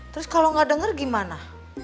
terus kalau gak denger gimana